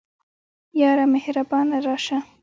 یاره مهربانه راسه